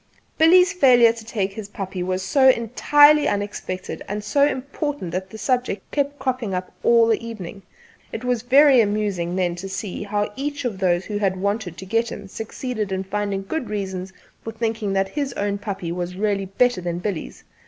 Billy's failure to take his puppy was so entirely unexpected and so important that the subject kept cropping up all the evening. It was very amusing then to see how each of those who had wanted to get him succeeded in finding good reasons for thinking that his own puppy was really better than Billy's.